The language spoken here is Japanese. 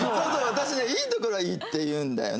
私ねいいところはいいって言うんだよね。